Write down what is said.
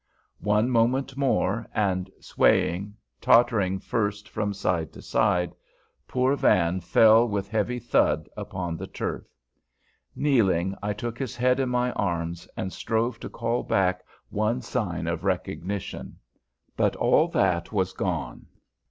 One moment more, and, swaying, tottering first from side to side, poor Van fell with heavy thud upon the turf. Kneeling, I took his head in my arms and strove to call back one sign of recognition; but all that was gone.